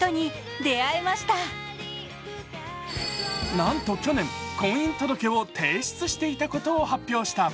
なんと去年、婚姻届を提出していたことを発表した。